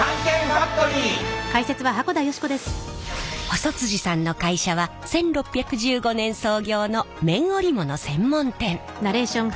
細さんの会社は１６１５年創業の綿織物専門店。